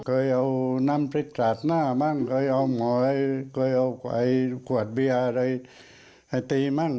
เคยเอาน้ำพริกสาดหน้าบ้างเคยเอาขวดเบียร์อะไรให้ตีบ้าง